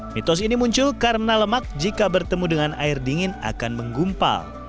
mitos ini muncul karena lemak jika bertemu dengan air dingin akan menggumpal